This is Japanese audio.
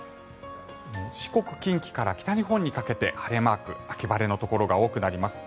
四国、近畿から北日本にかけて晴れマーク秋晴れのところが多くなります。